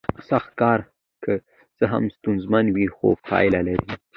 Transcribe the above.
سخت کار که څه هم ستونزمن وي خو پایله لري